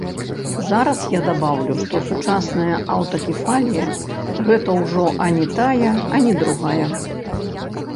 Зараз я дабаўлю, што сучасная аўтакефалія гэта ўжо ані тая, ані другая.